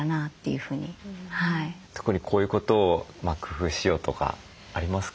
特にこういうことを工夫しようとかありますか？